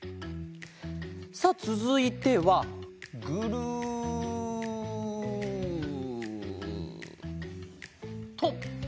さあつづいてはグルッと。